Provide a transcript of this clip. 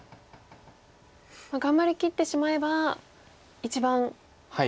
頑張りきってしまえば一番。